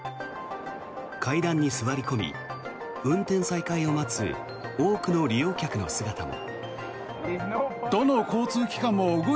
階段に座り込み、運転再開を待つ多くの利用客の姿も。